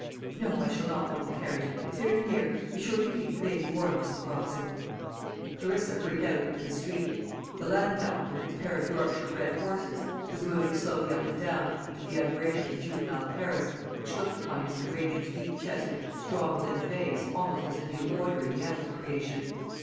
"No, I shall not want the carriage; it's very near. Be sure you keep baby warm, Mrs. Brobson." Clarissa hurried out into the street. The landau, with its pair of Yorkshire bred horses, was moving slowly up and down, to the admiration of juvenile Paris, which looked upon Mr. Granger's deep chested, strong limbed bays almost as a new order in the animal creation.